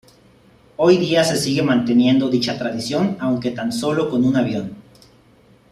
Hoy día se sigue manteniendo dicha tradición, aunque tan sólo con un avión.